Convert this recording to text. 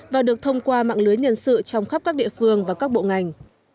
và được thông qua mạng lưới nhân sự trong khắp các địa phương và các bộ ngành